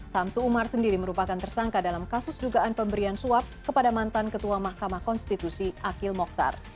samsu umar sendiri merupakan tersangka dalam kasus dugaan pemberian suap kepada mantan ketua mahkamah konstitusi akil mokhtar